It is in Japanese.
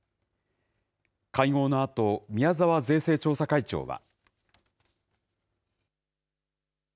会合のあと、宮沢税制調査会長は。